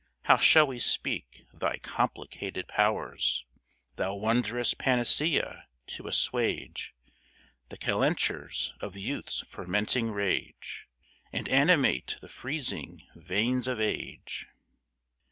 How shall we speak thy complicated Pow'rs? Thou Won'drous Panacea to asswage The Calentures of Youths' fermenting rage, And Animate the freezing Veins of age.